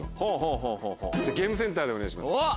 ゲームセンターでお願いします。